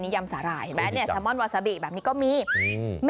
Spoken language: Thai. ยำสาหร่ายเห็นไหมเนี่ยแซมอนวาซาบิแบบนี้ก็มีอืม